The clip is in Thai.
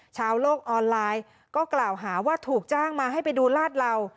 ชาวโลกออนไลน์ก็กล่าวหาว่าถูกจ้างมาให้ไปดูลาดเหล่า